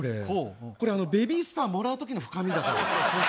これ、ベビースターもらうときの深みだから。